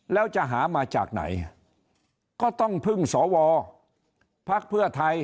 แล้วจะหามาจากไหนก็ต้องพึ่งสวพักเพื่อไทย